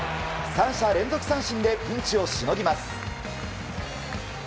３者連続三振でピンチをしのぎます。